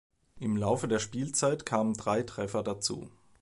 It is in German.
Im Laufe der Spielzeit kamen drei Treffer dazu.